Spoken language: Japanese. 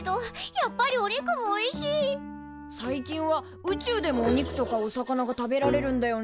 最近は宇宙でもお肉とかお魚が食べられるんだよね。